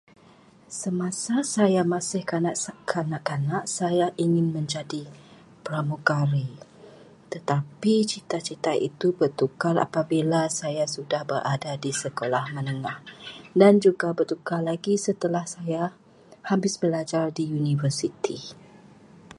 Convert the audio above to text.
Semasa saya masih kanak- kanak-kanak, saya ingin menjadi pramugari, tetapi cita-cita itu bertukar apabila saya sudah berada di sekolah menengah, dan juga bertukar lagi setelah saya habis belajar di universiti.